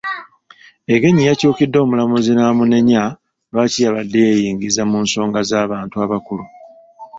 Engenyi yakyukidde omulenzi n'amunenya lwaki yabadde yeeyingiza mu nsonga z'abantu abakulu.